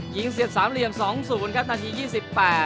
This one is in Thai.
ยิงเสียบสามเหลี่ยมสองสูงครับนาที๒๘